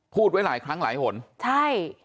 พูดไว้หลายครั้งหลายหนใช่